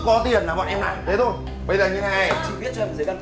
còn tiền đầy đủ đưa chúng mày về hiểu chưa